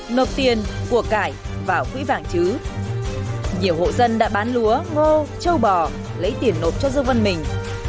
nộp tiền của cải vào quỹ vàng chứ nhiều hộ dân đã bán lúa ngô châu bò lấy tiền nộp cho dương văn mình